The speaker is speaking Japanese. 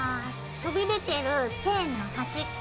飛び出てるチェーンの端っこ